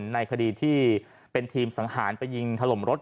ในคดีที่เป็นทีมสังหารไปยิงถล่มรถ